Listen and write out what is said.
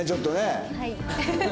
はい。